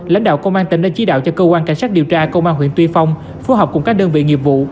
lãnh đạo công an tỉnh đã chỉ đạo cho cơ quan cảnh sát điều tra công an huyện tuy phong phối hợp cùng các đơn vị nghiệp vụ